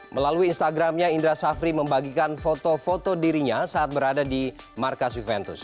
melalui instagramnya indra safri membagikan foto foto dirinya saat berada di markas juventus